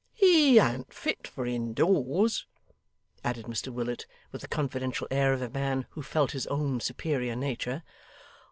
He an't fit for indoors,' added Mr Willet, with the confidential air of a man who felt his own superior nature.